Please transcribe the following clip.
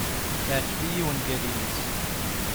Iɛjeb-iyi wungal-nnes.